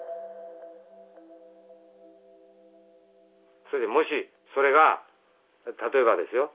それでもしそれが例えばですよ